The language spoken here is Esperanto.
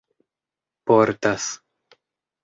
portas